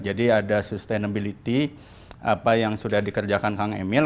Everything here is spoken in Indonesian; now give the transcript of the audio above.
jadi ada sustainability apa yang sudah dikerjakan kang emil